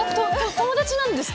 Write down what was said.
友達なんですか？